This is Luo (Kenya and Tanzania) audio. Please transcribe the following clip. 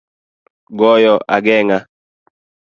Goyo agenga